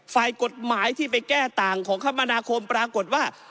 สายกฎหมายที่ไปแก้ต่างความธรรมนาคมปรากฏว่า